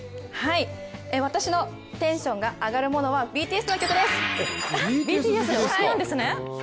私のテンションが上がるものはＢＴＳの曲です！